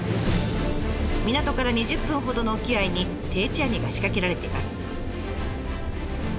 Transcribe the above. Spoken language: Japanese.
港から２０分ほどの沖合に定置網が仕掛けられています。